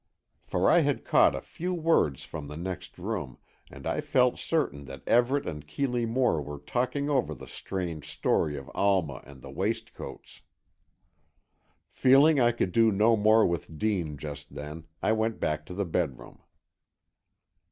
For I had caught a few words from the next room and I felt certain that Everett and Keeley Moore were talking over the strange story of Alma and the waistcoats. Feeling I could do no more with Dean just then, I went back to the bedroom.